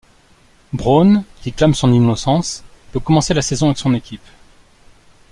Braun, qui clâme son innocence, peut commencer la saison avec son équipe.